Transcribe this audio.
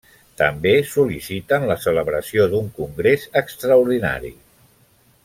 També sol·liciten la celebració d'un congrés extraordinari.